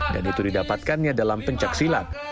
dan itu didapatkannya dalam pencaksilat